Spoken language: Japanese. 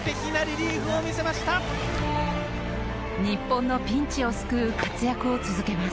日本のピンチを救う活躍を続けます。